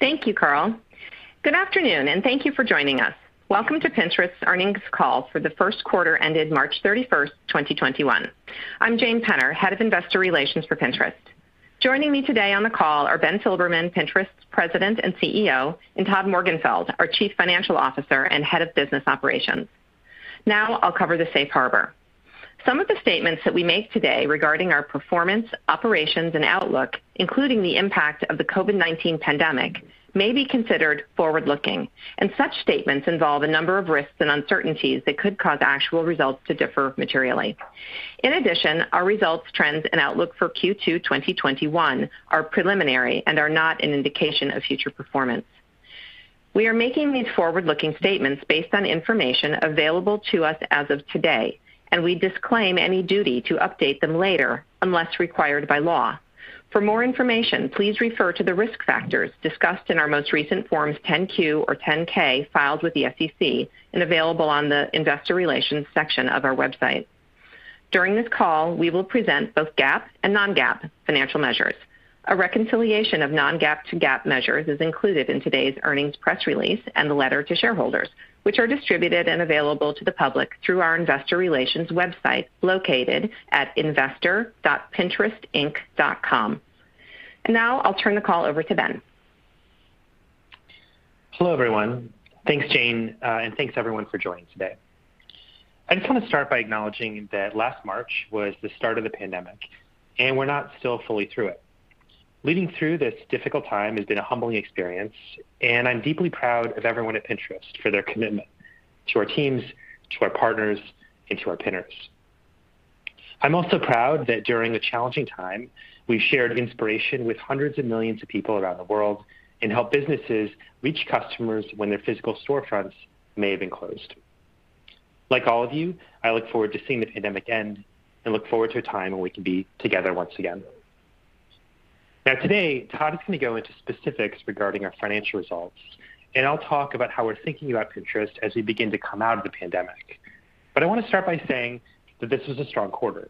Thank you, Carl. Good afternoon, and thank you for joining us. Welcome to Pinterest's earnings call for the first quarter ended March 31st, 2021. I'm Jane Penner, Head of Investor Relations for Pinterest. Joining me today on the call are Ben Silbermann, Pinterest's President and Chief Executive Officer, and Todd Morgenfeld, our Chief Financial Officer and Head of Business Operations. Now, I'll cover the Safe Harbor. Some of the statements that we make today regarding our performance, operations, and outlook, including the impact of the COVID-19 pandemic, may be considered forward-looking, and such statements involve a number of risks and uncertainties that could cause actual results to differ materially. In addition, our results, trends, and outlook for Q2 2021 are preliminary and are not an indication of future performance. We are making these forward-looking statements based on information available to us as of today, and we disclaim any duty to update them later unless required by law. For more information, please refer to the risk factors discussed in our most recent Forms 10-Q or 10-K filed with the SEC, and available on the investor relations section of our website. During this call, we will present both GAAP and non-GAAP financial measures. A reconciliation of non-GAAP to GAAP measures is included in today's earnings press release and the letter to shareholders, which are distributed and available to the public through our investor relations website, located at investor.pinterestinc.com. Now I'll turn the call over to Ben. Hello, everyone. Thanks, Jane, and thanks, everyone, for joining today. I just want to start by acknowledging that last March was the start of the pandemic, and we're not still fully through it. Leading through this difficult time has been a humbling experience, and I'm deeply proud of everyone at Pinterest for their commitment to our teams, to our partners, and to our Pinners. I'm also proud that during a challenging time, we've shared inspiration with hundreds of millions of people around the world and helped businesses reach customers when their physical storefronts may have been closed. Like all of you, I look forward to seeing the pandemic end and look forward to a time when we can be together once again. Today, Todd is going to go into specifics regarding our financial results, and I'll talk about how we're thinking about Pinterest as we begin to come out of the pandemic. I want to start by saying that this was a strong quarter.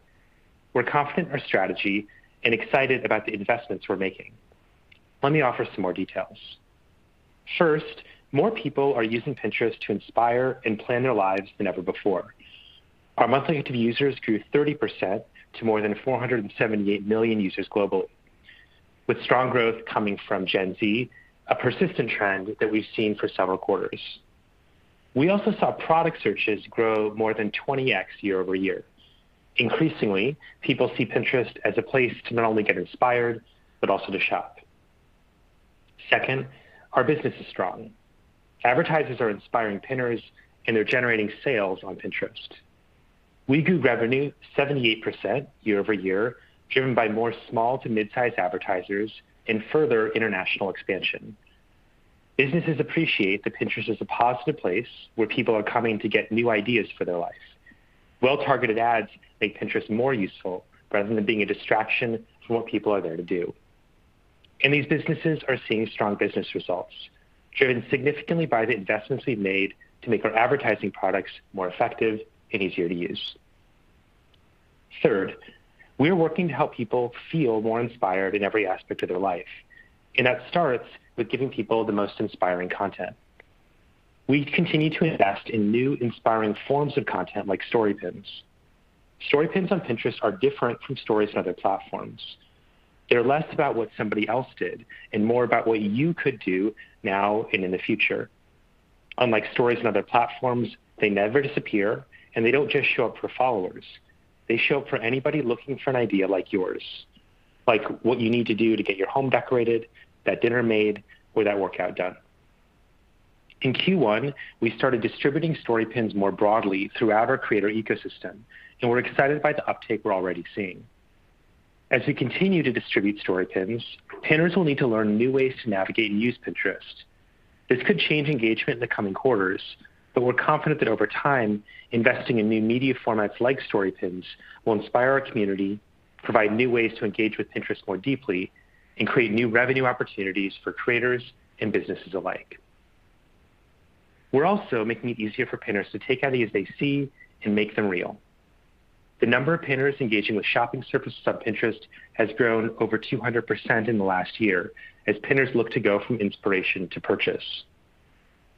We're confident in our strategy and excited about the investments we're making. Let me offer some more details. First, more people are using Pinterest to inspire and plan their lives than ever before. Our monthly active users grew 30% to more than 478 million users globally, with strong growth coming from Gen Z, a persistent trend that we've seen for several quarters. We also saw product searches grow more than 20X year-over-year. Increasingly, people see Pinterest as a place to not only get inspired, but also to shop. Second, our business is strong. Advertisers are inspiring Pinners, and they're generating sales on Pinterest. We grew revenue 78% year-over-year, driven by more small to mid-size advertisers and further international expansion. Businesses appreciate that Pinterest is a positive place where people are coming to get new ideas for their life. Well-targeted ads make Pinterest more useful rather than being a distraction from what people are there to do. These businesses are seeing strong business results, driven significantly by the investments we've made to make our advertising products more effective and easier to use. Third, we are working to help people feel more inspired in every aspect of their life, and that starts with giving people the most inspiring content. We continue to invest in new inspiring forms of content like Story Pins. Story Pins on Pinterest are different from stories on other platforms. They're less about what somebody else did and more about what you could do now and in the future. Unlike stories on other platforms, they never disappear, and they don't just show up for followers. They show up for anybody looking for an idea like yours, like what you need to do to get your home decorated, that dinner made, or that workout done. In Q1, we started distributing Story Pins more broadly throughout our creator ecosystem, and we're excited by the uptake we're already seeing. As we continue to distribute Story Pins, Pinners will need to learn new ways to navigate and use Pinterest. This could change engagement in the coming quarters, but we're confident that over time, investing in new media formats like Story Pins will inspire our community, provide new ways to engage with Pinterest more deeply, and create new revenue opportunities for creators and businesses alike. We're also making it easier for Pinners to take ideas they see and make them real. The number of Pinners engaging with shopping services on Pinterest has grown over 200% in the last year as Pinners look to go from inspiration to purchase.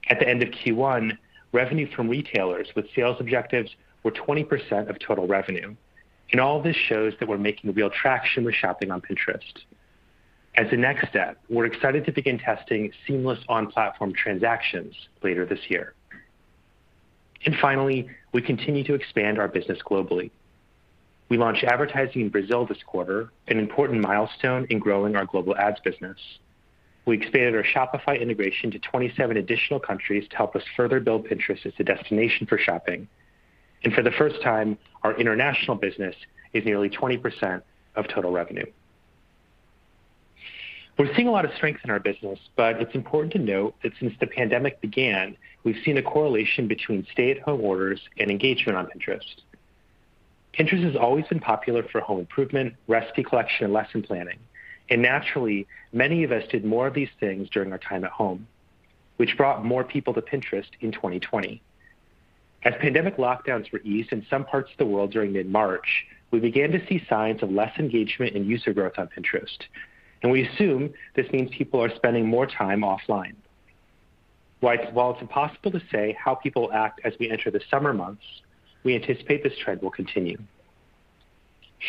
At the end of Q1, revenue from retailers with sales objectives were 20% of total revenue. All this shows that we're making real traction with shopping on Pinterest. As a next step, we're excited to begin testing seamless on-platform transactions later this year. Finally, we continue to expand our business globally. We launched advertising in Brazil this quarter, an important milestone in growing our global ads business. We expanded our Shopify integration to 27 additional countries to help us further build Pinterest as a destination for shopping. For the first time, our international business is nearly 20% of total revenue. We're seeing a lot of strength in our business, it's important to note that since the pandemic began, we've seen a correlation between stay-at-home orders and engagement on Pinterest. Pinterest has always been popular for home improvement, recipe collection, and lesson planning, naturally, many of us did more of these things during our time at home, which brought more people to Pinterest in 2020. As pandemic lockdowns were eased in some parts of the world during mid-March, we began to see signs of less engagement in user growth on Pinterest, we assume this means people are spending more time offline. While it's impossible to say how people will act as we enter the summer months, we anticipate this trend will continue.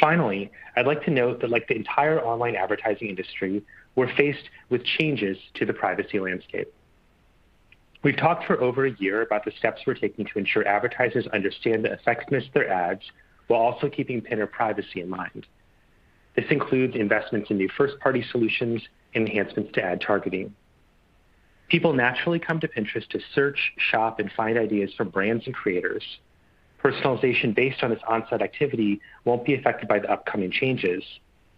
Finally, I'd like to note that like the entire online advertising industry, we're faced with changes to the privacy landscape. We've talked for over a year about the steps we're taking to ensure advertisers understand the effectiveness of their ads while also keeping Pinner privacy in mind. This includes investments in new first-party solutions and enhancements to ad targeting. People naturally come to Pinterest to search, shop, and find ideas from brands and creators. Personalization based on this on-site activity won't be affected by the upcoming changes.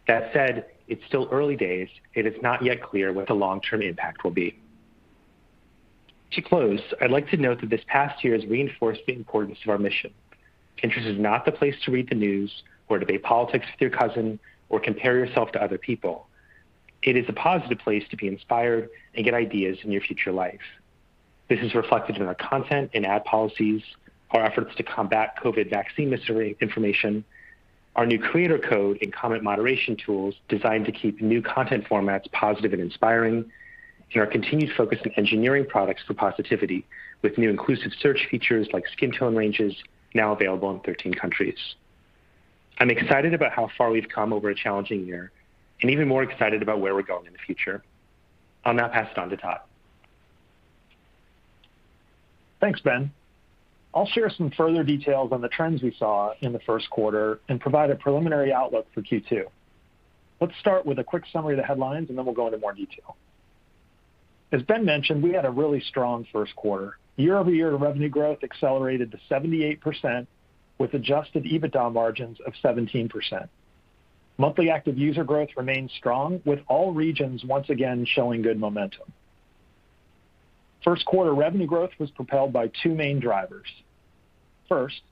That said, it's still early days, and it's not yet clear what the long-term impact will be. To close, I'd like to note that this past year has reinforced the importance of our mission. Pinterest is not the place to read the news or debate politics with your cousin or compare yourself to other people. It is a positive place to be inspired and get ideas in your future life. This is reflected in our content and ad policies, our efforts to combat COVID-19 vaccine misinformation, our new Creator Code and comment moderation tools designed to keep new content formats positive and inspiring, and our continued focus on engineering products for positivity with new inclusive search features like skin tone ranges now available in 13 countries. I'm excited about how far we've come over a challenging year, and even more excited about where we're going in the future. I'll now pass it on to Todd. Thanks, Ben. I'll share some further details on the trends we saw in the first quarter and provide a preliminary outlook for Q2. Let's start with a quick summary of the headlines. Then we'll go into more detail. As Ben mentioned, we had a really strong first quarter. Year-over-year revenue growth accelerated to 78% with adjusted EBITDA margins of 17%. Monthly active user growth remains strong with all regions once again showing good momentum. First quarter revenue growth was propelled by two main drivers. First,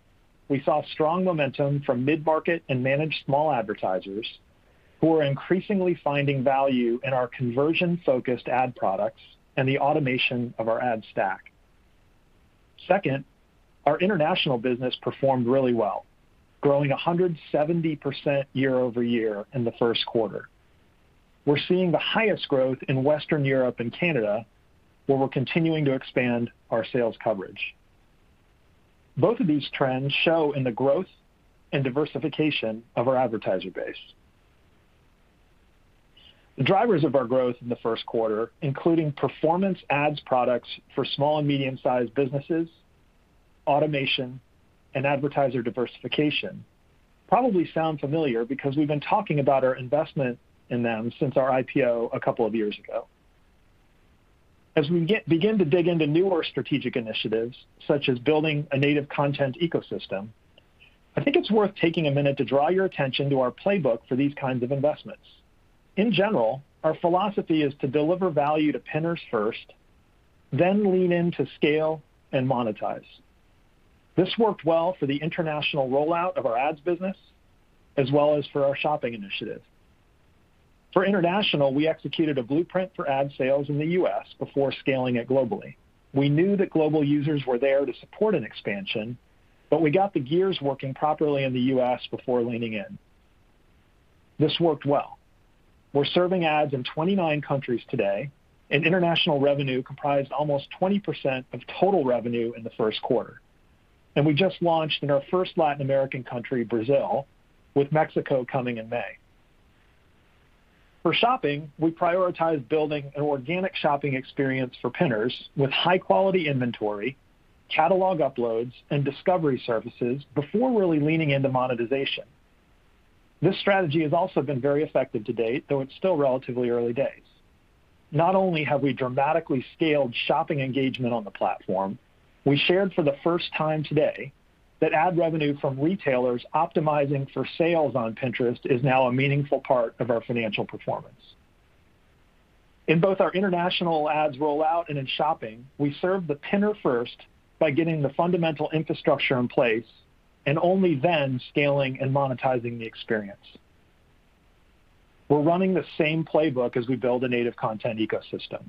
we saw strong momentum from mid-market and managed small advertisers who are increasingly finding value in our conversion-focused ad products and the automation of our ad stack. Second, our international business performed really well, growing 170% year-over-year in the first quarter. We're seeing the highest growth in Western Europe and Canada, where we're continuing to expand our sales coverage. Both of these trends show in the growth and diversification of our advertiser base. The drivers of our growth in the first quarter, including performance ads products for small and medium-sized businesses, automation, and advertiser diversification probably sound familiar because we've been talking about our investment in them since our IPO a couple of years ago. As we begin to dig into newer strategic initiatives, such as building a native content ecosystem, I think it's worth taking a minute to draw your attention to our playbook for these kinds of investments. In general, our philosophy is to deliver value to Pinners first, then lean in to scale and monetize. This worked well for the international rollout of our ads business, as well as for our shopping initiative. For international, we executed a blueprint for ad sales in the U.S. before scaling it globally. We knew that global users were there to support an expansion, but we got the gears working properly in the U.S. before leaning in. This worked well. We're serving ads in 29 countries today, and international revenue comprised almost 20% of total revenue in the first quarter, and we just launched in our first Latin American country, Brazil, with Mexico coming in May. For shopping, we prioritize building an organic shopping experience for Pinners with high-quality inventory, catalog uploads, and discovery services before really leaning into monetization. This strategy has also been very effective to date, though it's still relatively early days. Not only have we dramatically scaled shopping engagement on the platform, we shared for the first time today that ad revenue from retailers optimizing for sales on Pinterest is now a meaningful part of our financial performance. In both our international ads rollout and in shopping, we serve the Pinner first by getting the fundamental infrastructure in place and only then scaling and monetizing the experience. We're running the same playbook as we build a native content ecosystem.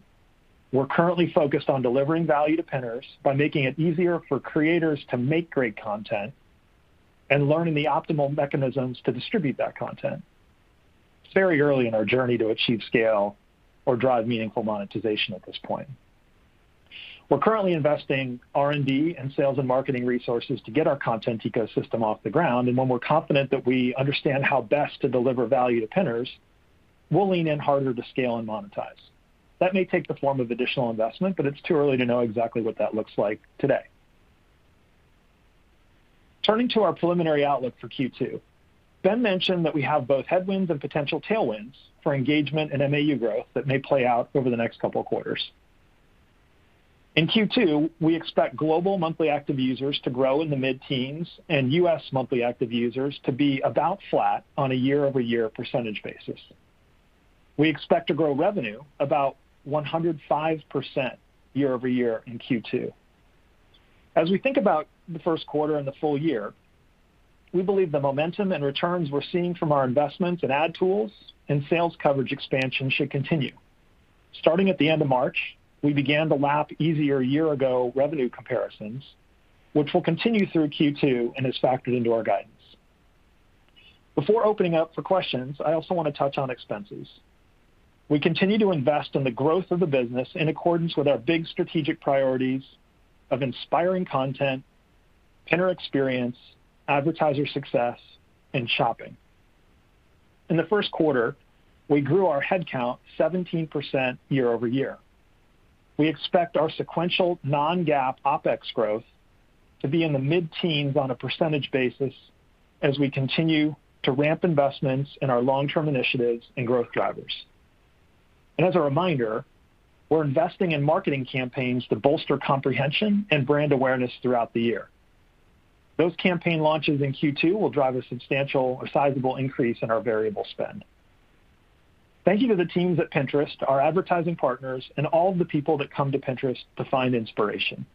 We're currently focused on delivering value to Pinners by making it easier for creators to make great content and learning the optimal mechanisms to distribute that content. It's very early in our journey to achieve scale or drive meaningful monetization at this point. We're currently investing R&D and sales and marketing resources to get our content ecosystem off the ground, and when we're confident that we understand how best to deliver value to Pinners, we'll lean in harder to scale and monetize. That may take the form of additional investment, but it's too early to know exactly what that looks like today. Turning to our preliminary outlook for Q2. Ben mentioned that we have both headwinds and potential tailwinds for engagement and MAU growth that may play out over the next couple of quarters. In Q2, we expect global monthly active users to grow in the mid-teens and U.S. monthly active users to be about flat on a year-over-year percentage basis. We expect to grow revenue about 105% year-over-year in Q2. As we think about the first quarter and the full year. We believe the momentum and returns we're seeing from our investments in ad tools and sales coverage expansion should continue. Starting at the end of March, we began to lap easier year-ago revenue comparisons, which will continue through Q2 and is factored into our guidance. Before opening up for questions, I also want to touch on expenses. We continue to invest in the growth of the business in accordance with our big strategic priorities of inspiring content, Pinner experience, advertiser success, and shopping. In the first quarter, we grew our head count 17% year-over-year. We expect our sequential non-GAAP OpEx growth to be in the mid-teens on a percentage basis as we continue to ramp investments in our long-term initiatives and growth drivers. As a reminder, we're investing in marketing campaigns to bolster comprehension and brand awareness throughout the year. Those campaign launches in Q2 will drive a substantial or sizable increase in our variable spend. Thank you to the teams at Pinterest, our advertising partners, and all of the people that come to Pinterest to find inspiration.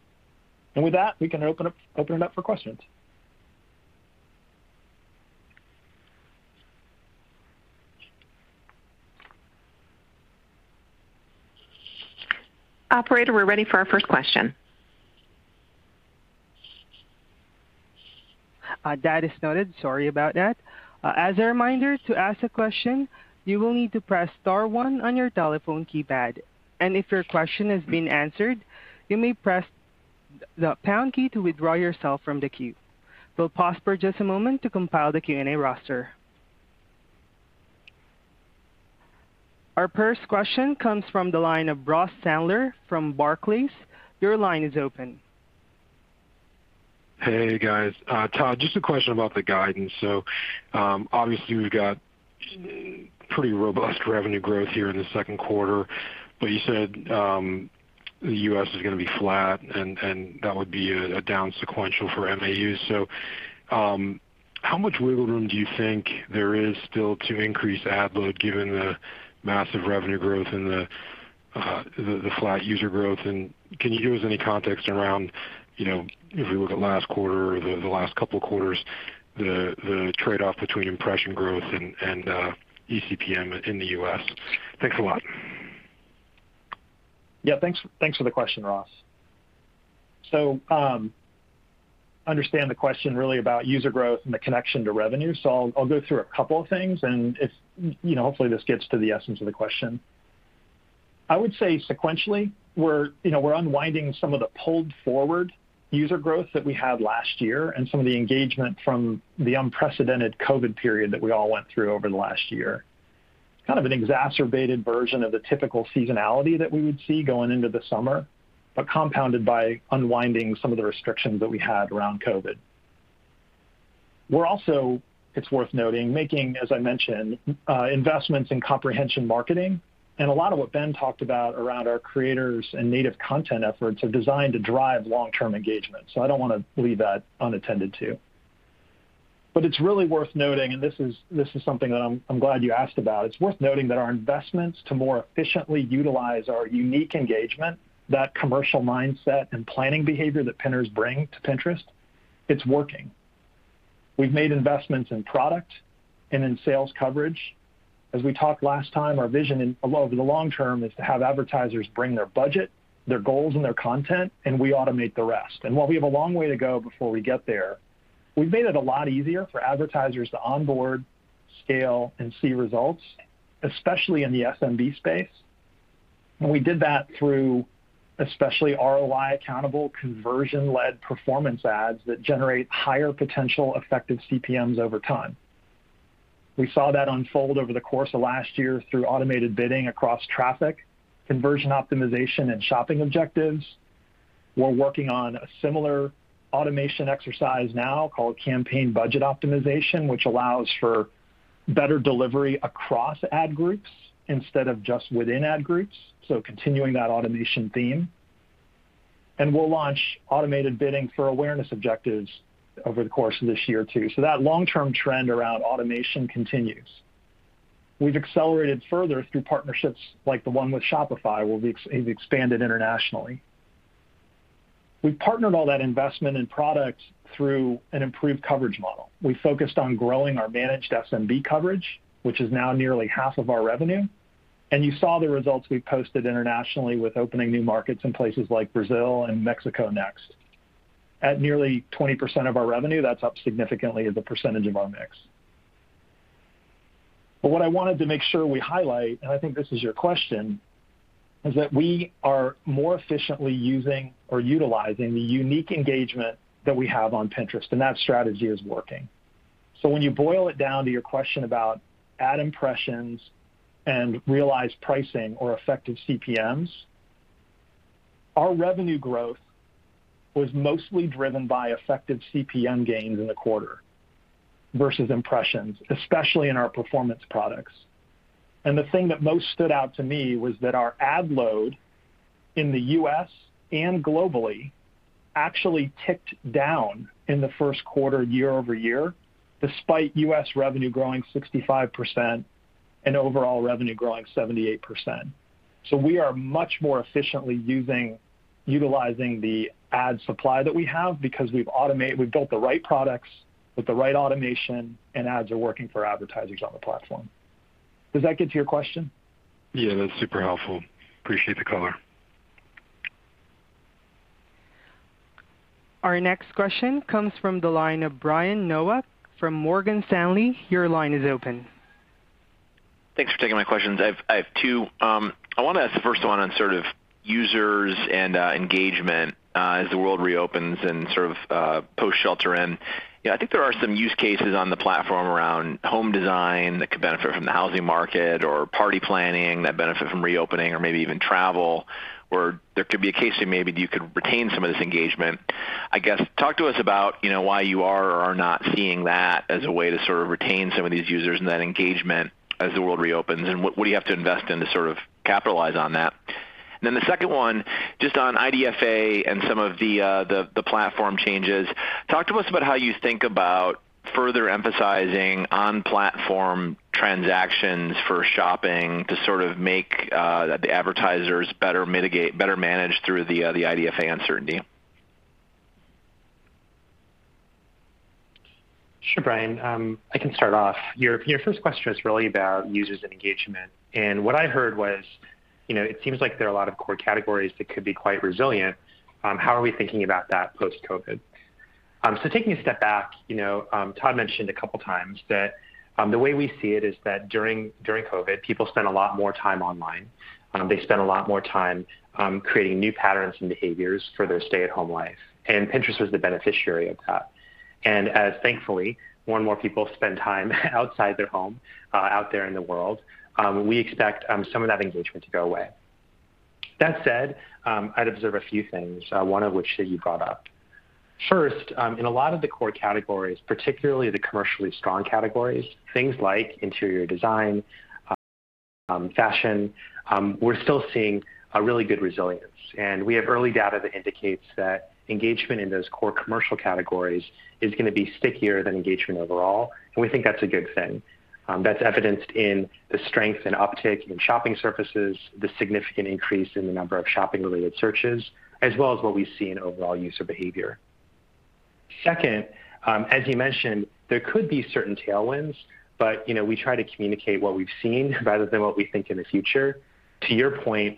With that, we can open it up for questions. Operator, we're ready for our first question. That is noted. Sorry about that. As a reminder, to ask a question, you will need to press star one on your telephone keypad. If your question has been answered, you may press the pound key to withdraw yourself from the queue. We'll pause for just a moment to compile the Q&A roster. Our first question comes from the line of Ross Sandler from Barclays. Your line is open. Hey, guys. Todd, just a question about the guidance. Obviously we've got pretty robust revenue growth here in the second quarter, but you said the U.S. is going to be flat and that would be a down sequential for MAU. How much wiggle room do you think there is still to increase ad load given the massive revenue growth and the flat user growth? Can you give us any context around if we look at last quarter or the last couple of quarters, the trade-off between impression growth and eCPM in the U.S.? Thanks a lot. Yeah, thanks for the question, Ross. Understand the question really about user growth and the connection to revenue. I'll go through a couple of things, and hopefully this gets to the essence of the question. I would say sequentially, we're unwinding some of the pulled forward user growth that we had last year and some of the engagement from the unprecedented COVID period that we all went through over the last year. It's kind of an exacerbated version of the typical seasonality that we would see going into the summer, but compounded by unwinding some of the restrictions that we had around COVID. We're also, it's worth noting, making, as I mentioned, investments in comprehension marketing and a lot of what Ben talked about around our creators and native content efforts are designed to drive long-term engagement. I don't want to leave that unattended too. It's really worth noting, and this is something that I'm glad you asked about. It's worth noting that our investments to more efficiently utilize our unique engagement, that commercial mindset and planning behavior that Pinners bring to Pinterest, it's working. We've made investments in product and in sales coverage. As we talked last time, our vision over the long term is to have advertisers bring their budget, their goals, and their content, and we automate the rest. While we have a long way to go before we get there, we've made it a lot easier for advertisers to onboard, scale, and see results, especially in the SMB space. We did that through especially ROI accountable conversion-led performance ads that generate higher potential effective CPMs over time. We saw that unfold over the course of last year through automated bidding across traffic, conversion optimization, and shopping objectives. We're working on a similar automation exercise now called Campaign Budget Optimization, which allows for better delivery across ad groups instead of just within ad groups, so continuing that automation theme. We'll launch automated bidding for awareness objectives over the course of this year, too. That long-term trend around automation continues. We've accelerated further through partnerships like the one with Shopify, where we've expanded internationally. We've partnered all that investment in product through an improved coverage model. We focused on growing our managed SMB coverage, which is now nearly half of our revenue. You saw the results we posted internationally with opening new markets in places like Brazil and Mexico next. At nearly 20% of our revenue, that's up significantly as a percentage of our mix. What I wanted to make sure we highlight, and I think this is your question, is that we are more efficiently using or utilizing the unique engagement that we have on Pinterest, and that strategy is working. When you boil it down to your question about ad impressions and realized pricing or effective CPMs, our revenue growth was mostly driven by effective CPM gains in Q1 versus impressions, especially in our performance products. The thing that most stood out to me was that our ad load in the U.S. and globally actually ticked down in Q1 year-over-year, despite U.S. revenue growing 65% and overall revenue growing 78%. We are much more efficiently utilizing the ad supply that we have because we've built the right products with the right automation, and ads are working for advertisers on the platform. Does that get to your question? Yeah, that's super helpful. Appreciate the color. Our next question comes from the line of Brian Nowak from Morgan Stanley. Your line is open. Thanks for taking my questions. I have two. I want to ask the first one on sort of users and engagement as the world reopens and sort of post shelter-in. I think there are some use cases on the platform around home design that could benefit from the housing market or party planning that benefit from reopening or maybe even travel, where there could be a case that maybe you could retain some of this engagement. I guess, talk to us about why you are or are not seeing that as a way to sort of retain some of these users and that engagement as the world reopens, and what do you have to invest in to sort of capitalize on that? The second one, just on IDFA and some of the platform changes. Talk to us about how you think about further emphasizing on-platform transactions for shopping to sort of make the advertisers better manage through the IDFA uncertainty. Sure, Brian. I can start off. Your first question is really about users and engagement. What I heard was, it seems like there are a lot of core categories that could be quite resilient. How are we thinking about that post-COVID? Taking a step back, Todd mentioned a couple times that the way we see it is that during COVID, people spent a lot more time online. They spent a lot more time creating new patterns and behaviors for their stay-at-home life. Pinterest was the beneficiary of that. As thankfully, more and more people spend time outside their home, out there in the world, we expect some of that engagement to go away. That said, I'd observe a few things, one of which that you brought up. First, in a lot of the core categories, particularly the commercially strong categories, things like interior design, fashion, we're still seeing a really good resilience. We have early data that indicates that engagement in those core commercial categories is going to be stickier than engagement overall, and we think that's a good thing. That's evidenced in the strength and uptick in shopping surfaces, the significant increase in the number of shopping-related searches, as well as what we see in overall user behavior. Second, as you mentioned, there could be certain tailwinds, but we try to communicate what we've seen rather than what we think in the future. To your point,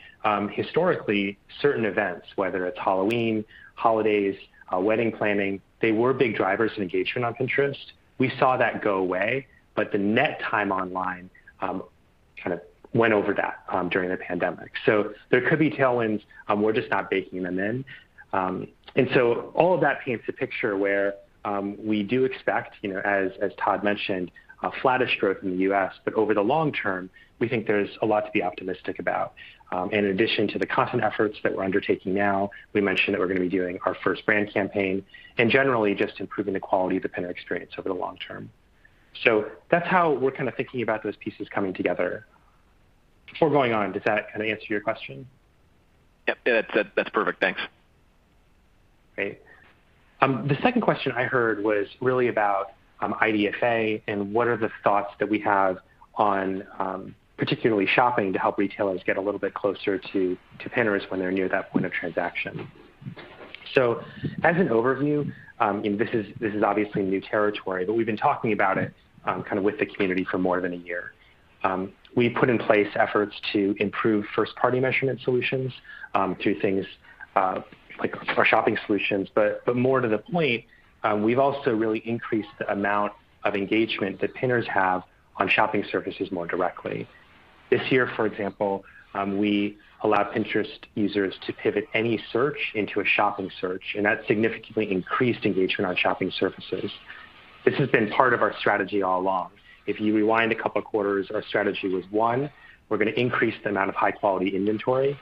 historically, certain events, whether it's Halloween, holidays, wedding planning, they were big drivers of engagement on Pinterest. We saw that go away, but the net time online kind of went over that during the pandemic. There could be tailwinds, we're just not baking them in. All of that paints a picture where we do expect, as Todd mentioned, a flattish growth in the U.S., but over the long term, we think there's a lot to be optimistic about. In addition to the constant efforts that we're undertaking now, we mentioned that we're going to be doing our first brand campaign and generally just improving the quality of the Pinterest experience over the long term. That's how we're kind of thinking about those pieces coming together before going on. Does that kind of answer your question? Yep, that's perfect. Thanks. Great. The second question I heard was really about IDFA and what are the thoughts that we have on particularly shopping to help retailers get a little bit closer to Pinterest when they're near that point of transaction. As an overview, and this is obviously new territory, but we've been talking about it kind of with the community for more than a year. We put in place efforts to improve first-party measurement solutions through things like our shopping solutions. More to the point, we've also really increased the amount of engagement that Pinners have on shopping surfaces more directly. This year, for example, we allowed Pinterest users to pivot any search into a shopping search, and that significantly increased engagement on shopping surfaces. This has been part of our strategy all along. If you rewind a couple of quarters, our strategy was, one, we're going to increase the amount of high-quality inventory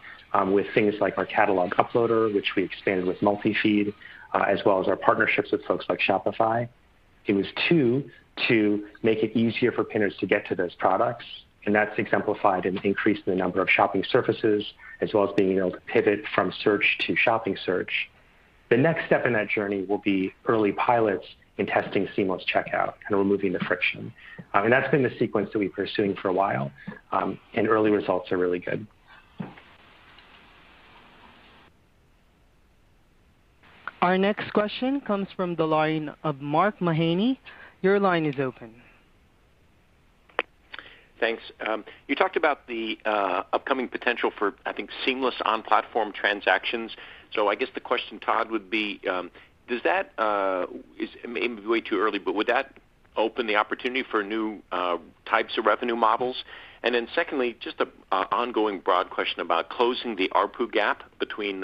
with things like our catalog uploader, which we expanded with multi-feed, as well as our partnerships with folks like Shopify. It was two, to make it easier for Pinners to get to those products, and that's exemplified an increase in the number of shopping surfaces, as well as being able to pivot from search to shopping search. The next step in that journey will be early pilots in testing seamless checkout, kind of removing the friction. That's been the sequence that we've been pursuing for a while, and early results are really good. Our next question comes from the line of Mark Mahaney. Your line is open. Thanks. I guess the question, Todd, would be, it may be way too early, but would that open the opportunity for new types of revenue models? Secondly, just an ongoing broad question about closing the ARPU gap between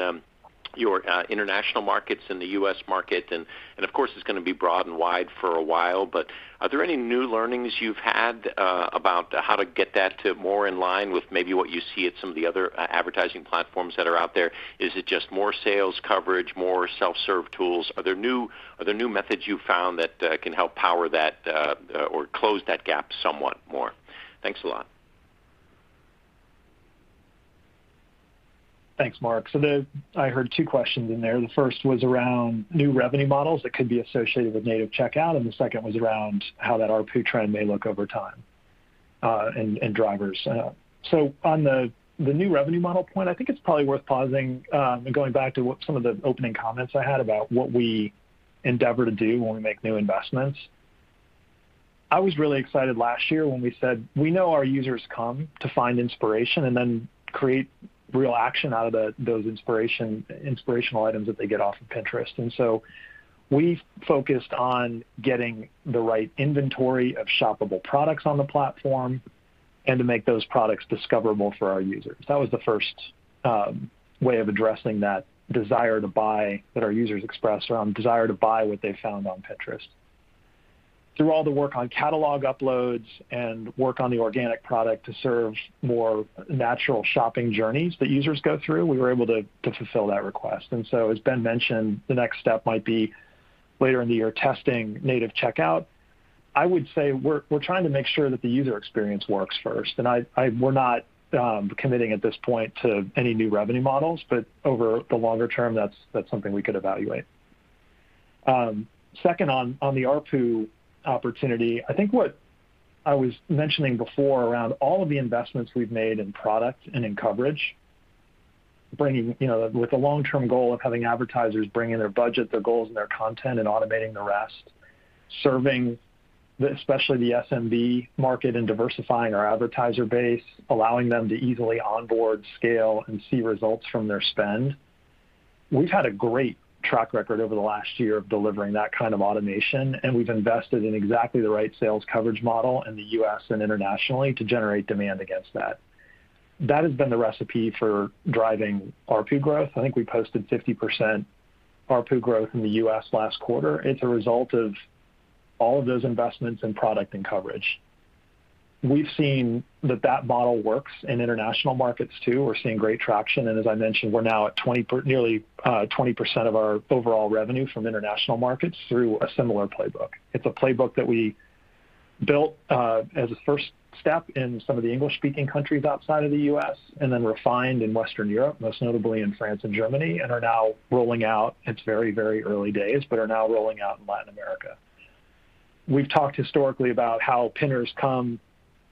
your international markets and the U.S. market, and of course, it's going to be broad and wide for a while, but are there any new learnings you've had about how to get that to more in line with maybe what you see at some of the other advertising platforms that are out there? Is it just more sales coverage, more self-serve tools? Are there new methods you've found that can help power that or close that gap somewhat more? Thanks a lot. Thanks, Mark. I heard two questions in there. The first was around new revenue models that could be associated with native checkout, and the second was around how that ARPU trend may look over time and drivers. On the new revenue model point, I think it's probably worth pausing and going back to some of the opening comments I had about what we endeavor to do when we make new investments. I was really excited last year when we said we know our users come to find inspiration and then create real action out of those inspirational items that they get off of Pinterest. We focused on getting the right inventory of shoppable products on the platform and to make those products discoverable for our users. That was the first way of addressing that desire to buy that our users express around desire to buy what they found on Pinterest. Through all the work on catalog uploads and work on the organic product to serve more natural shopping journeys that users go through, we were able to fulfill that request. As Ben mentioned, the next step might be later in the year testing native checkout. I would say we're trying to make sure that the user experience works first, and we're not committing at this point to any new revenue models, but over the longer term, that's something we could evaluate. Second on the ARPU opportunity, I think what I was mentioning before around all of the investments we've made in product and in coverage, with the long-term goal of having advertisers bring in their budget, their goals, and their content, and automating the rest, serving especially the SMB market and diversifying our advertiser base, allowing them to easily onboard scale and see results from their spend. We've had a great track record over the last year of delivering that kind of automation. We've invested in exactly the right sales coverage model in the U.S. and internationally to generate demand against that. That has been the recipe for driving ARPU growth. I think we posted 50% ARPU growth in the U.S. last quarter. It's a result of all of those investments in product and coverage. We've seen that that model works in international markets too. We're seeing great traction, and as I mentioned, we're now at nearly 20% of our overall revenue from international markets through a similar playbook. It's a playbook that we built as a first step in some of the English-speaking countries outside of the U.S. and then refined in Western Europe, most notably in France and Germany, and are now rolling out, it's very early days, but are now rolling out in Latin America. We've talked historically about how Pinners come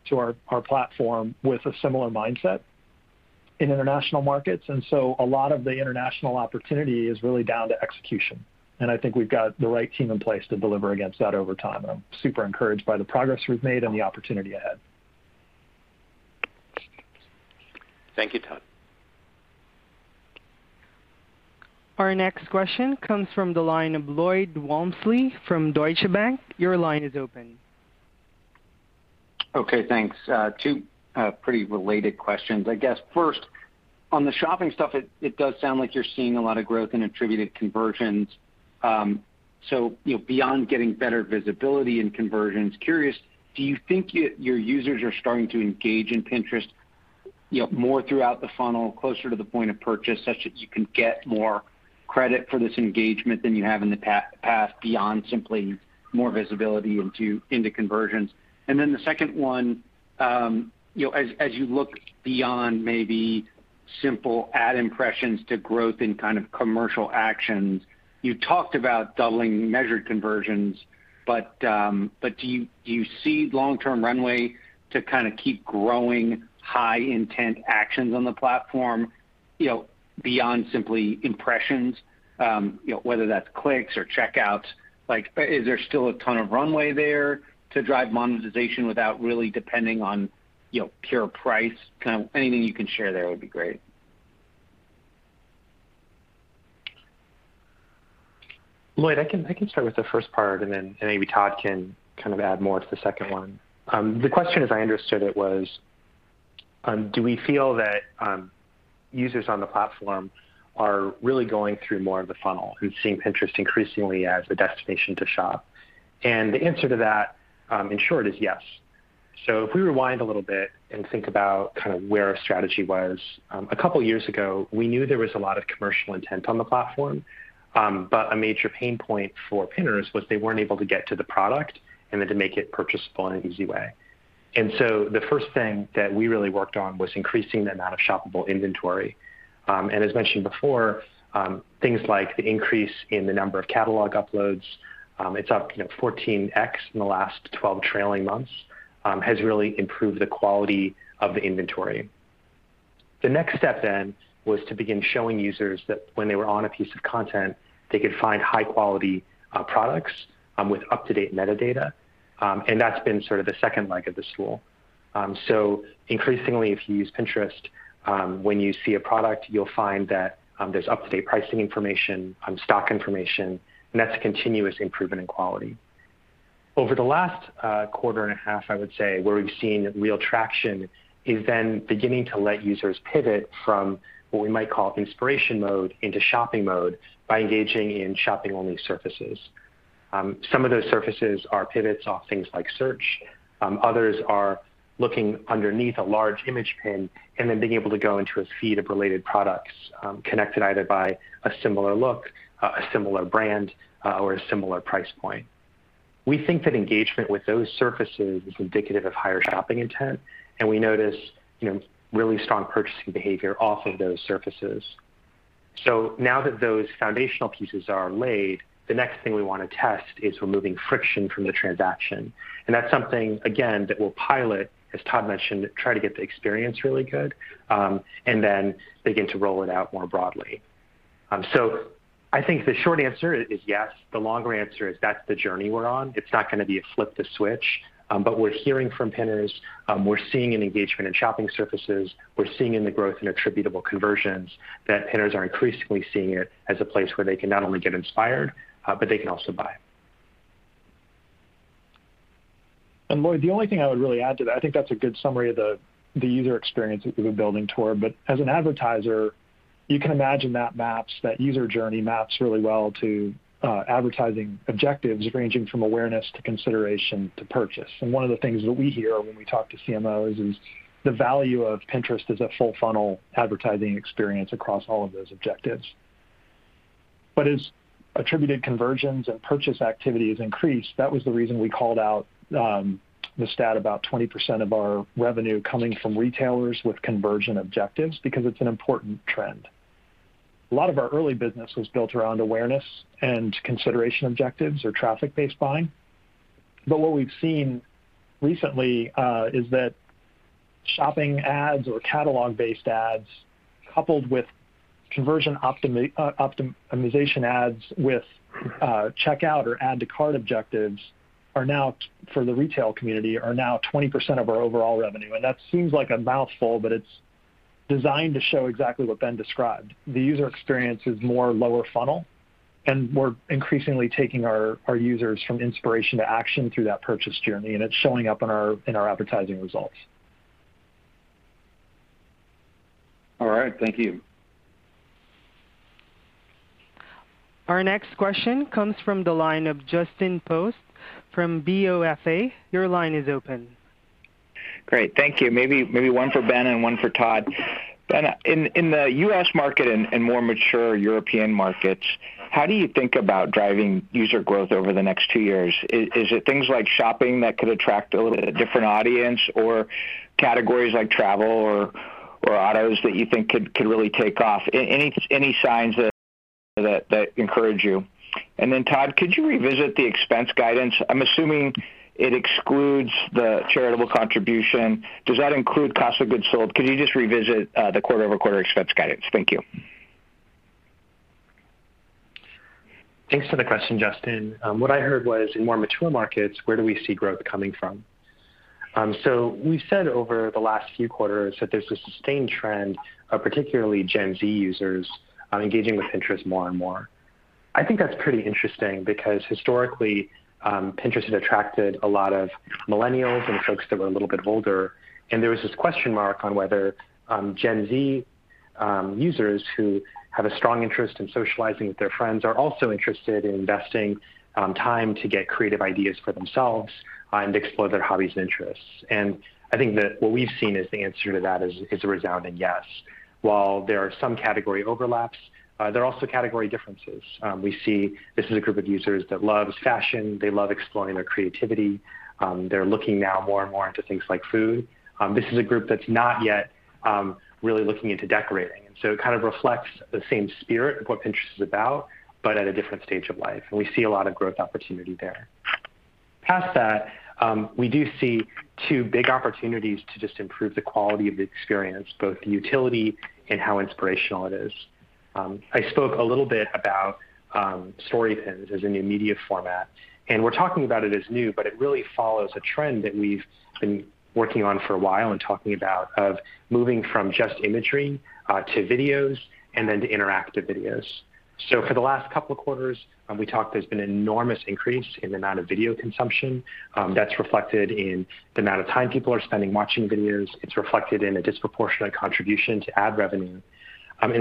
to our platform with a similar mindset in international markets, and so a lot of the international opportunity is really down to execution, and I think we've got the right team in place to deliver against that over time, and I'm super encouraged by the progress we've made and the opportunity ahead. Thank you, Todd. Our next question comes from the line of Lloyd Walmsley from Deutsche Bank. Your line is open. Okay, thanks. Two pretty related questions. I guess first, on the shopping stuff, it does sound like you're seeing a lot of growth in attributed conversions. Beyond getting better visibility in conversions, curious, do you think your users are starting to engage in Pinterest more throughout the funnel, closer to the point of purchase, such that you can get more credit for this engagement than you have in the past beyond simply more visibility into conversions? The second one, as you look beyond maybe simple ad impressions to growth in kind of commercial actions, you talked about doubling measured conversions, but do you see long-term runway to kind of keep growing high intent actions on the platform beyond simply impressions? Whether that's clicks or checkouts, is there still a ton of runway there to drive monetization without really depending on pure price? Kind of anything you can share there would be great. Lloyd, I can start with the first part and then maybe Todd can kind of add more to the second one. The question as I understood it was, do we feel that users on the platform are really going through more of the funnel, who see Pinterest increasingly as a destination to shop? The answer to that, in short, is yes. If we rewind a little bit and think about kind of where our strategy was, a couple of years ago, we knew there was a lot of commercial intent on the platform. A major pain point for Pinners was they weren't able to get to the product and then to make it purchasable in an easy way. The first thing that we really worked on was increasing the amount of shoppable inventory. As mentioned before, things like the increase in the number of catalog uploads, it's up 14x in the last 12 trailing months, has really improved the quality of the inventory. The next step then was to begin showing users that when they were on a piece of content, they could find high-quality products with up-to-date metadata. That's been sort of the second leg of the stool. Increasingly, if you use Pinterest, when you see a product, you'll find that there's up-to-date pricing information, stock information, and that's a continuous improvement in quality. Over the last quarter and a half, I would say, where we've seen real traction is then beginning to let users pivot from what we might call inspiration mode into shopping mode by engaging in shopping-only surfaces. Some of those surfaces are pivots off things like search. Others are looking underneath a large image pin and then being able to go into a feed of related products connected either by a similar look, a similar brand, or a similar price point. We think that engagement with those surfaces is indicative of higher shopping intent, and we notice really strong purchasing behavior off of those surfaces. Now that those foundational pieces are laid, the next thing we want to test is removing friction from the transaction. That's something, again, that we'll pilot, as Todd mentioned, try to get the experience really good, and then begin to roll it out more broadly. I think the short answer is yes. The longer answer is that's the journey we're on. It's not going to be a flip a switch. We're hearing from Pinners, we're seeing an engagement in shopping surfaces, we're seeing in the growth in attributable conversions that Pinners are increasingly seeing it as a place where they can not only get inspired, but they can also buy. Lloyd, the only thing I would really add to that, I think that's a good summary of the user experience that we've been building toward, but as an advertiser, you can imagine that user journey maps really well to advertising objectives ranging from awareness to consideration to purchase. One of the things that we hear when we talk to CMOs is the value of Pinterest as a full-funnel advertising experience across all of those objectives. As attributed conversions and purchase activities increase, that was the reason we called out the stat about 20% of our revenue coming from retailers with conversion objectives because it's an important trend. A lot of our early business was built around awareness and consideration objectives or traffic-based buying. What we've seen recently, is that shopping ads or catalog-based ads coupled with conversion optimization ads with checkout or add to cart objectives for the retail community, are now 20% of our overall revenue. That seems like a mouthful, but it's designed to show exactly what Ben described. The user experience is more lower funnel, and we're increasingly taking our users from inspiration to action through that purchase journey, and it's showing up in our advertising results. All right. Thank you. Our next question comes from the line of Justin Post from BofA. Your line is open. Great. Thank you. Maybe one for Ben and one for Todd. Ben, in the U.S. market and more mature European markets, how do you think about driving user growth over the next two years? Is it things like shopping that could attract a different audience or categories like travel or autos that you think could really take off? Any signs that encourage you? Then Todd, could you revisit the expense guidance? I'm assuming it excludes the charitable contribution. Does that include cost of goods sold? Could you just revisit the quarter-over-quarter expense guidance? Thank you. Thanks for the question, Justin. What I heard was in more mature markets, where do we see growth coming from? We've said over the last few quarters that there's a sustained trend of particularly Gen Z users engaging with Pinterest more and more. I think that's pretty interesting because historically, Pinterest had attracted a lot of millennials and folks that were a little bit older, and there was this question mark on whether Gen Z users who have a strong interest in socializing with their friends are also interested in investing time to get creative ideas for themselves and explore their hobbies and interests. I think that what we've seen as the answer to that is a resounding yes. While there are some category overlaps, there are also category differences. We see this is a group of users that loves fashion. They love exploring their creativity. They're looking now more and more into things like food. This is a group that's not yet really looking into decorating. It kind of reflects the same spirit of what Pinterest is about, but at a different stage of life, and we see a lot of growth opportunity there. Past that, we do see two big opportunities to just improve the quality of the experience, both the utility and how inspirational it is. I spoke a little bit about Story Pins as a new media format. We're talking about it as new, but it really follows a trend that we've been working on for a while and talking about, of moving from just imagery to videos and then to interactive videos. For the last couple of quarters, there's been an enormous increase in the amount of video consumption. That's reflected in the amount of time people are spending watching videos. It's reflected in a disproportionate contribution to ad revenue.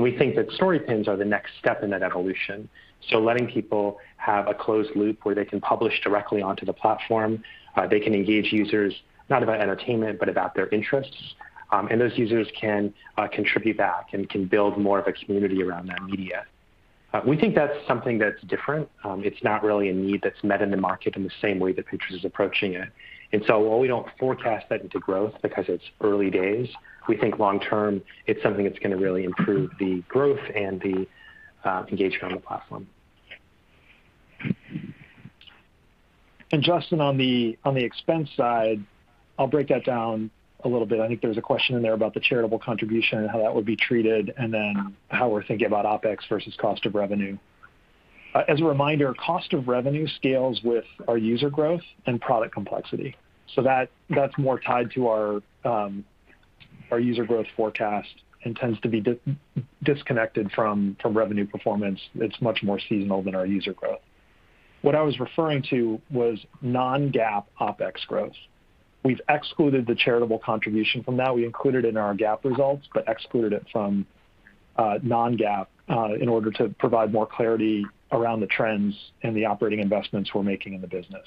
We think that Story Pins are the next step in that evolution. Letting people have a closed loop where they can publish directly onto the platform, they can engage users, not about entertainment, but about their interests. Those users can contribute back and can build more of a community around that media. We think that's something that's different. It's not really a need that's met in the market in the same way that Pinterest is approaching it. While we don't forecast that into growth because it's early days, we think long term, it's something that's going to really improve the growth and the engagement on the platform. Justin, on the expense side, I'll break that down a little bit. I think there's a question in there about the charitable contribution and how that would be treated, and then how we're thinking about OpEx versus cost of revenue. As a reminder, cost of revenue scales with our user growth and product complexity. That's more tied to our user growth forecast and tends to be disconnected from revenue performance. It's much more seasonal than our user growth. What I was referring to was non-GAAP OpEx growth. We've excluded the charitable contribution from that. We included it in our GAAP results but excluded it from non-GAAP in order to provide more clarity around the trends and the operating investments we're making in the business.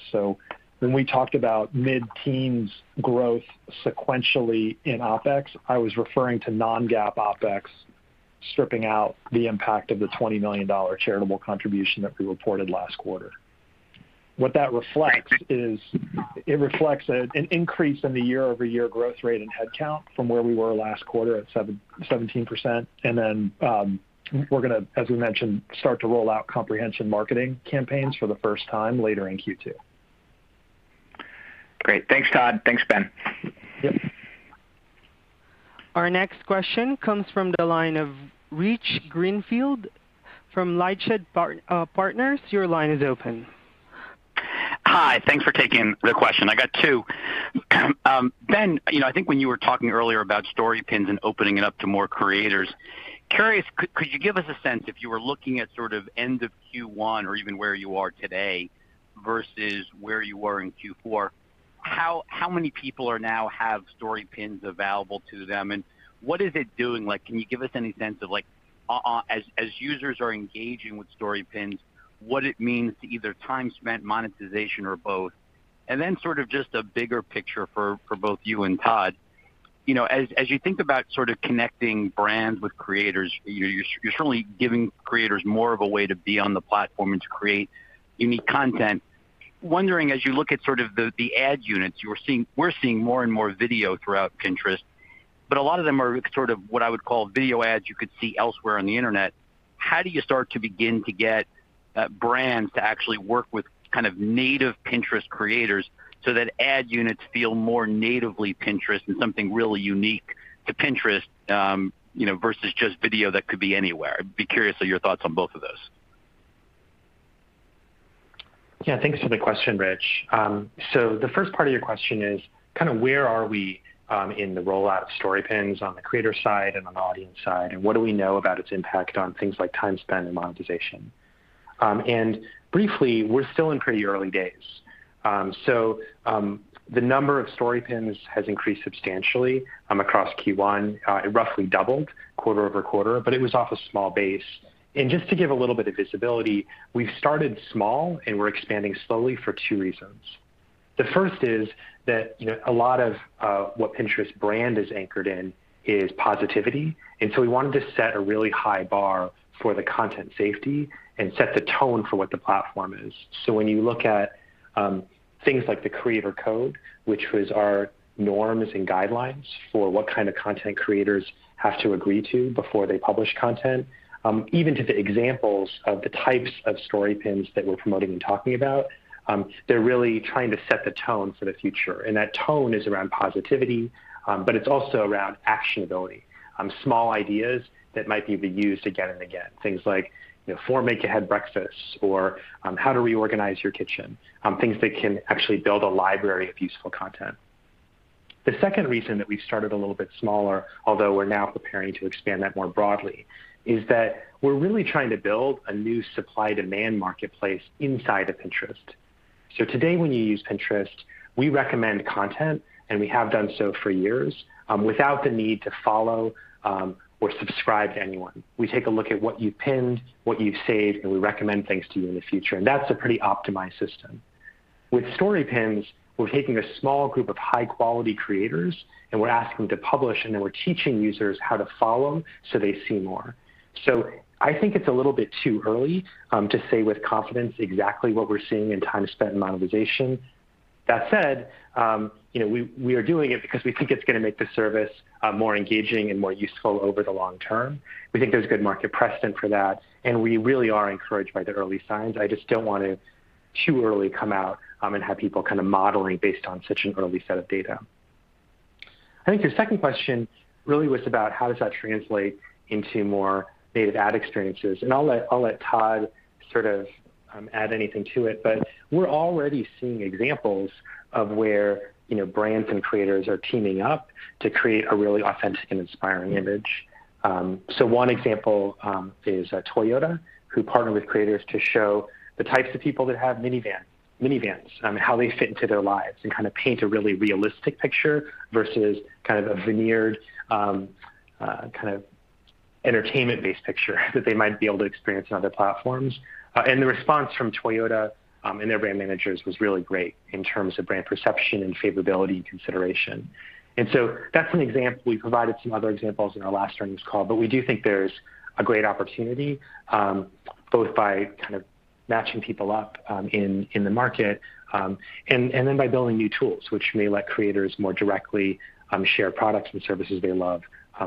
When we talked about mid-teens growth sequentially in OpEx, I was referring to non-GAAP OpEx. Stripping out the impact of the $20 million charitable contribution that we reported last quarter. What that reflects is an increase in the year-over-year growth rate in head count from where we were last quarter at 17%. We're going to, as we mentioned, start to roll out comprehension marketing campaigns for the first time later in Q2. Great. Thanks, Todd. Thanks, Ben. Yep. Our next question comes from the line of Rich Greenfield from LightShed Partners. Your line is open. Hi. Thanks for taking the question. I got two. Ben, I think when you were talking earlier about Story Pins and opening it up to more creators, curious, could you give us a sense if you were looking at end of Q1 or even where you are today versus where you were in Q4, how many people now have Story Pins available to them, and what is it doing? Can you give us any sense of, as users are engaging with Story Pins, what it means to either time spent, monetization, or both? Just a bigger picture for both you and Todd. As you think about connecting brands with creators, you're certainly giving creators more of a way to be on the platform and to create unique content. Wondering, as you look at the ad units, we're seeing more and more video throughout Pinterest, but a lot of them are what I would call video ads you could see elsewhere on the internet. How do you start to begin to get brands to actually work with native Pinterest creators so that ad units feel more natively Pinterest and something really unique to Pinterest versus just video that could be anywhere? I'd be curious of your thoughts on both of those. Thanks for the question, Rich. The first part of your question is where are we in the rollout of Story Pins on the creator side and on the audience side, and what do we know about its impact on things like time spent and monetization? Briefly, we're still in pretty early days. The number of Story Pins has increased substantially across Q1. It roughly doubled quarter-over-quarter, but it was off a small base. Just to give a little bit of visibility, we've started small, and we're expanding slowly for two reasons. The first is that a lot of what Pinterest brand is anchored in is positivity, we wanted to set a really high bar for the content safety and set the tone for what the platform is. When you look at things like the Creator Code, which was our norms and guidelines for what kind of content creators have to agree to before they publish content, even to the examples of the types of Story Pins that we're promoting and talking about, they're really trying to set the tone for the future. That tone is around positivity, but it's also around actionability. Small ideas that might be used again and again, things like four make-ahead breakfast or how to reorganize your kitchen. Things that can actually build a library of useful content. The second reason that we've started a little bit smaller, although we're now preparing to expand that more broadly, is that we're really trying to build a new supply-demand marketplace inside of Pinterest. Today, when you use Pinterest, we recommend content, and we have done so for years without the need to follow or subscribe to anyone. We take a look at what you've pinned, what you've saved, and we recommend things to you in the future, and that's a pretty optimized system. With Story Pins, we're taking a small group of high-quality creators, and we're asking them to publish, and then we're teaching users how to follow them so they see more. I think it's a little bit too early to say with confidence exactly what we're seeing in time spent and monetization. That said, we are doing it because we think it's going to make the service more engaging and more useful over the long term. We think there's good market precedent for that, and we really are encouraged by the early signs. I just don't want to too early come out and have people modeling based on such an early set of data. I think your second question really was about how does that translate into more native ad experiences, and I'll let Todd add anything to it. We're already seeing examples of where brands and creators are teaming up to create a really authentic and inspiring image. One example is Toyota, who partnered with creators to show the types of people that have minivans, how they fit into their lives and paint a really realistic picture versus a veneered entertainment-based picture that they might be able to experience on other platforms. The response from Toyota and their brand managers was really great in terms of brand perception and favorability consideration. That's an example. We provided some other examples in our last earnings call. We do think there's a great opportunity, both by matching people up in the market and then by building new tools, which may let creators more directly share products and services they love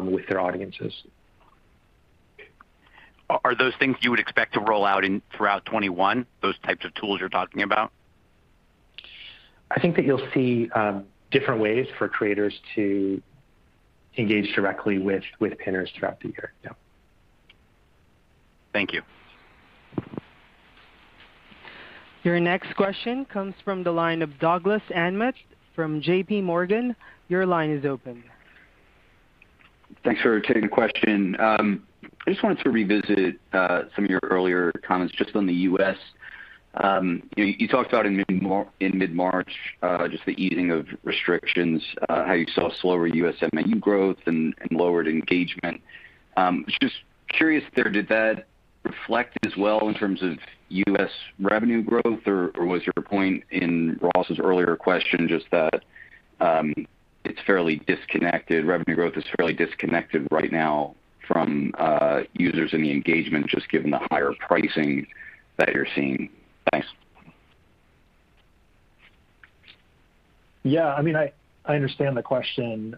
with their audiences. Are those things you would expect to roll out throughout 2021, those types of tools you're talking about? I think that you'll see different ways for creators to engage directly with Pinners throughout the year. Yeah. Thank you. Your next question comes from the line of Douglas Anmuth from JPMorgan. Your line is open. Thanks for taking the question. I just wanted to revisit some of your earlier comments just on the U.S. You talked about in mid-March just the easing of restrictions, how you saw slower U.S. revenue growth and lowered engagement. Just curious there, did that reflect as well in terms of U.S. revenue growth? Or was your point in Ross Sandler's earlier question just that it's fairly disconnected, revenue growth is fairly disconnected right now from users in the engagement, just given the higher pricing that you're seeing? Thanks. Yeah. I understand the question.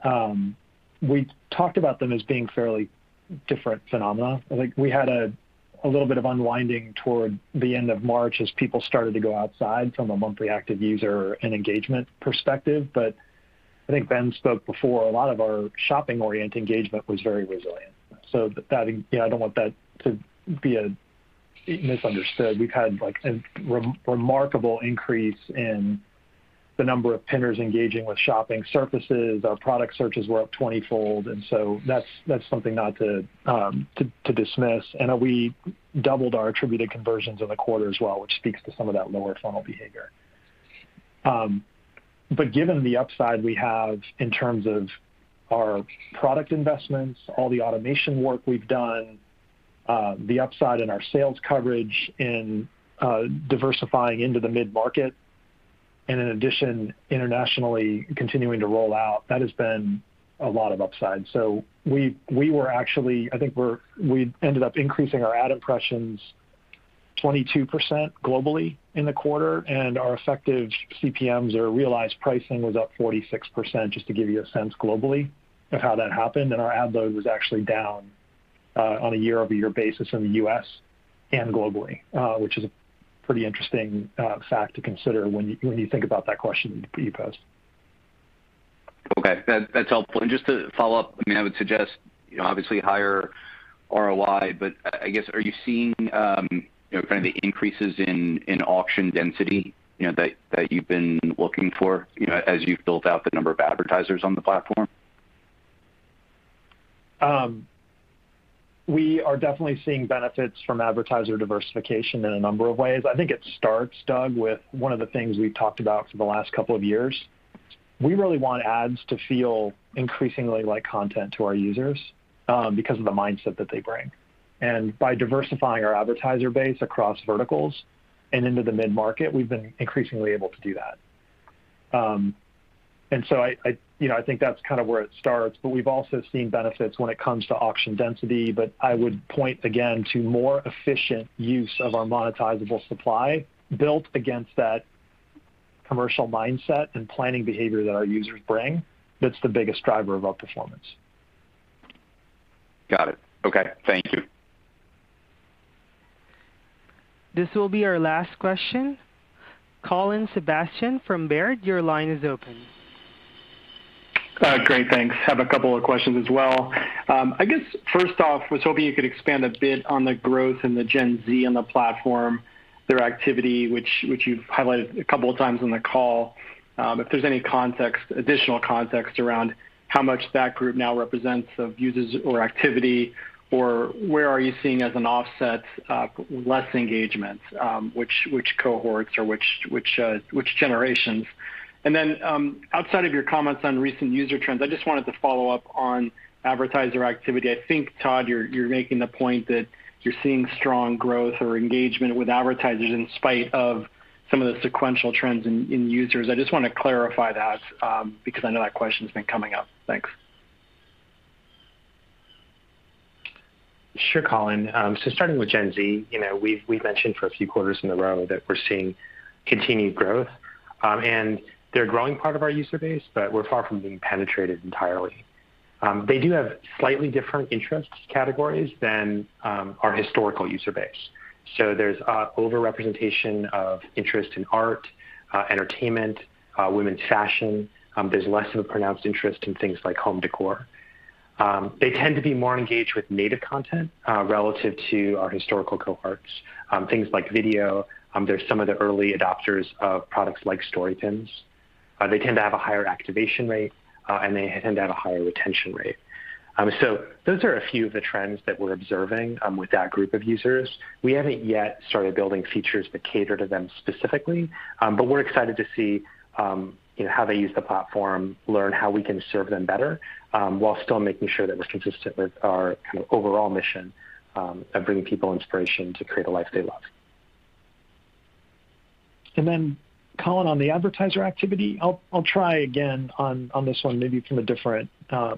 We talked about them as being fairly different phenomena. I think we had a little bit of unwinding toward the end of March as people started to go outside from a monthly active user and engagement perspective. I think Ben spoke before, a lot of our shopping-oriented engagement was very resilient. I don't want that to be misunderstood. We've had a remarkable increase in the number of Pinners engaging with shopping surfaces. Our product searches were up 20-fold, that's something not to dismiss. We doubled our attributed conversions in the quarter as well, which speaks to some of that lower funnel behavior. Given the upside we have in terms of our product investments, all the automation work we've done, the upside in our sales coverage in diversifying into the mid-market, and in addition, internationally continuing to roll out, that has been a lot of upside. We ended up increasing our ad impressions 22% globally in the quarter, and our effective CPMs or realized pricing was up 46%, just to give you a sense globally of how that happened. Our ad load was actually down on a year-over-year basis in the U.S. and globally, which is a pretty interesting fact to consider when you think about that question you posed. Okay. That's helpful. Just to follow up, I would suggest, obviously higher ROI, but I guess, are you seeing kind of the increases in auction density that you've been looking for as you've built out the number of advertisers on the platform? We are definitely seeing benefits from advertiser diversification in a number of ways. I think it starts, Doug, with one of the things we've talked about for the last couple of years. We really want ads to feel increasingly like content to our users because of the mindset that they bring. By diversifying our advertiser base across verticals and into the mid-market, we've been increasingly able to do that. I think that's kind of where it starts, but we've also seen benefits when it comes to auction density. I would point again to more efficient use of our monetizable supply built against that commercial mindset and planning behavior that our users bring. That's the biggest driver of our performance. Got it. Okay. Thank you. This will be our last question. Colin Sebastian from Baird, your line is open. Great, thanks. Have a couple of questions as well. I guess first off, was hoping you could expand a bit on the growth in the Gen Z on the platform, their activity, which you've highlighted a couple of times on the call. If there's any additional context around how much that group now represents of users or activity, or where are you seeing as an offset less engagement, which cohorts or which generations? Then, outside of your comments on recent user trends, I just wanted to follow up on advertiser activity. I think, Todd, you're making the point that you're seeing strong growth or engagement with advertisers in spite of some of the sequential trends in users. I just want to clarify that, because I know that question's been coming up. Thanks. Sure, Colin. Starting with Gen Z, we've mentioned for a few quarters in a row that we're seeing continued growth. They're a growing part of our user base, but we're far from being penetrated entirely. They do have slightly different interest categories than our historical user base. There's a over-representation of interest in art, entertainment, women's fashion. There's less of a pronounced interest in things like home décor. They tend to be more engaged with native content, relative to our historical cohorts, things like video. They're some of the early adopters of products like Story Pins. They tend to have a higher activation rate, and they tend to have a higher retention rate. Those are a few of the trends that we're observing with that group of users. We haven't yet started building features that cater to them specifically, but we're excited to see how they use the platform, learn how we can serve them better, while still making sure that we're consistent with our kind of overall mission of bringing people inspiration to create a life they love. Colin, on the advertiser activity, I'll try again on this one, maybe from a different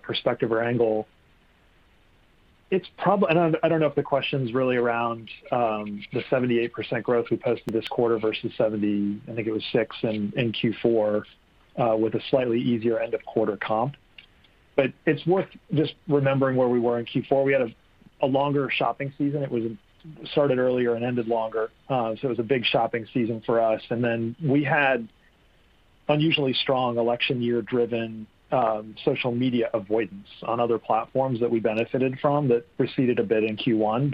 perspective or angle. I don't know if the question's really around the 78% growth we posted this quarter versus 76% in Q4, with a slightly easier end of quarter comp. It's worth just remembering where we were in Q4. We had a longer shopping season. It started earlier and ended longer. It was a big shopping season for us. We had unusually strong election year-driven social media avoidance on other platforms that we benefited from that receded a bit in Q1.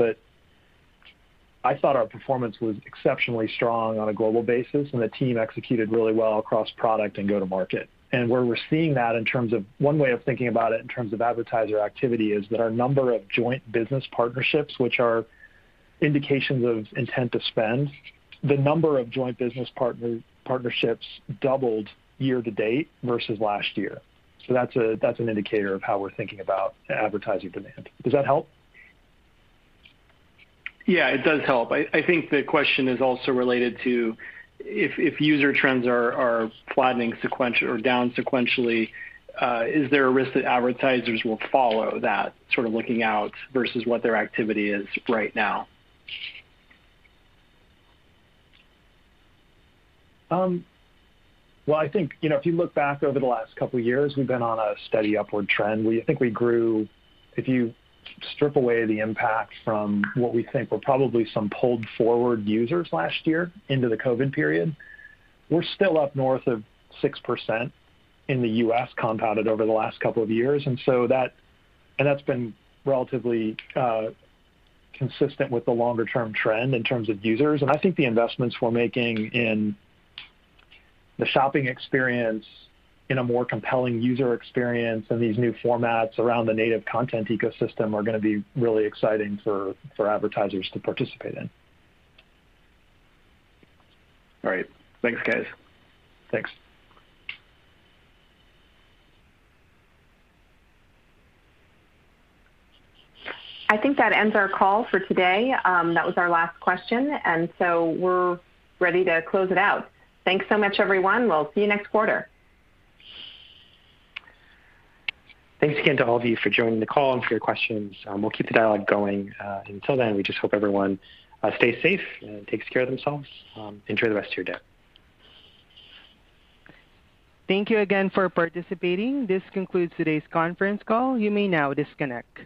I thought our performance was exceptionally strong on a global basis, and the team executed really well across product and go-to-market. Where we're seeing that in terms of one way of thinking about it, in terms of advertiser activity, is that our number of joint business partnerships, which are indications of intent to spend, the number of joint business partnerships doubled year to date versus last year. That's an indicator of how we're thinking about advertising demand. Does that help? Yeah, it does help. I think the question is also related to if user trends are flattening or down sequentially, is there a risk that advertisers will follow that sort of looking out versus what their activity is right now? Well, I think, if you look back over the last couple of years, we've been on a steady upward trend. I think we grew, if you strip away the impact from what we think were probably some pulled forward users last year into the COVID-19 period, we're still up north of 6% in the U.S. compounded over the last couple of years. That's been relatively consistent with the longer-term trend in terms of users. I think the investments we're making in the shopping experience, in a more compelling user experience, and these new formats around the native content ecosystem are going to be really exciting for advertisers to participate in. All right. Thanks, guys. Thanks. I think that ends our call for today. That was our last question, and so we're ready to close it out. Thanks so much, everyone. We'll see you next quarter. Thanks again to all of you for joining the call and for your questions. We'll keep the dialogue going. Until then, we just hope everyone stays safe and takes care of themselves. Enjoy the rest of your day. Thank you again for participating. This concludes today's conference call. You may now disconnect.